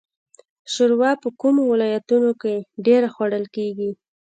شوروا په کومو ولایتونو کې ډیره خوړل کیږي؟